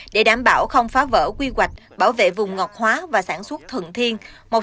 để đảm bảo không phá vỡ quy hoạch bảo vệ vùng ngọt hóa và sản xuất thuận thiên